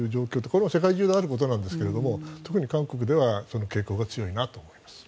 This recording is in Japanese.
これは世界中であることなんですが特に韓国ではその傾向が強いと思っています。